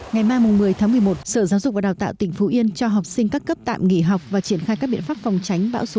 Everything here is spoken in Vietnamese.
ngày mai một mươi tháng một mươi một sở giáo dục và đào tạo tỉnh phú yên cho học sinh các cấp tạm nghỉ học và triển khai các biện pháp phòng tránh bão số năm